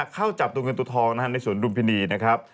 เข้าจับตัวเงินตัวทองในสวนรุมพินีนะครับ